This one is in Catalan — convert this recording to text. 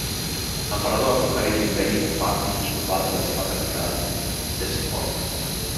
L'emperador ha conquerit l'imperi Part i ocupat la seva capital, Ctesifont.